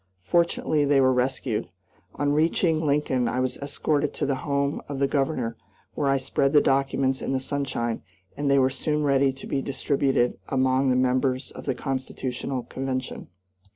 Fortunately they were rescued. On reaching Lincoln I was escorted to the home of the Governor, where I spread the documents in the sunshine, and they were soon ready to be distributed among the members of the constitutional convention.